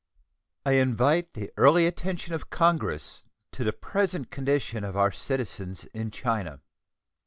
I invite the early attention of Congress to the present condition of our citizens in China.